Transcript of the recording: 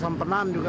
sampenan di sini juga